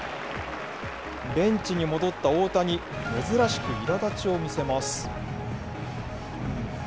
ベンチに戻った大谷、珍しくいらだちを見せます。